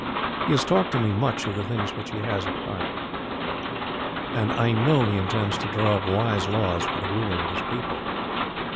He has talked to me much of the things which he has at heart, and I know he intends to draw up wise laws for the ruling of his people."